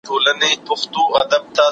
هغه وويل چي ليکنې ضروري دي؟